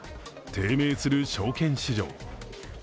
低迷する証券市場。